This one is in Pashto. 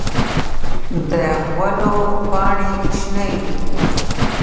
د غلو پاڼې شنه وي.